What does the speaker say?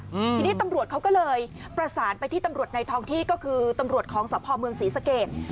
อืมทีนี้ตำรวจเขาก็เลยประสานไปที่ตำรวจในท้องที่ก็คือตำรวจของสพเมืองศรีสเกต